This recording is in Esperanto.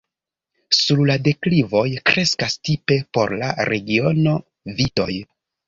Sur la deklivoj kreskas, tipe por la regiono, vitoj.